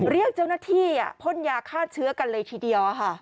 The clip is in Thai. เรียกเจ้าหน้าที่พ่นยาฆ่าเชื้อกันเลยทีเดียว